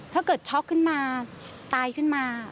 ถ้าเกิดช็อกขึ้นมาตายขึ้นมา